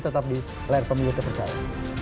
tetap di layar pemilu terpercaya